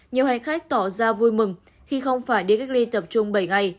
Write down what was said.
nhiều hành khách tỏ ra vui mừng khi không phải đi cách ly tập trung bảy ngày